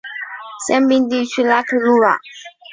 香槟地区拉克鲁瓦。